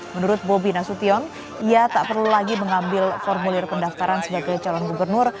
menurut bobi nasution ia tak perlu lagi mengambil formulir pendaftaran sebagai calon gubernur